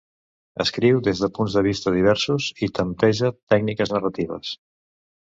Escriu des de punts de vista diversos i tempteja tècniques narratives.